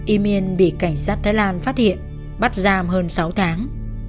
imean bị cảnh sát thái lan phát hiện bắt giam hơn sáu tháng